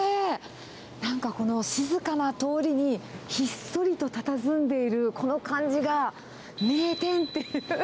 なんかこの静かな通りに、ひっそりとたたずんでいるこの感じが、名店っていう。